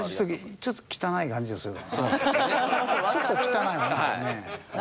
ちょっと汚いよな。